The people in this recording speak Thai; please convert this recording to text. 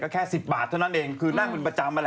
ก็แค่สิบบาทเท่านั้นเองคือนั่งเป็นประจำวะแหละนะฮะ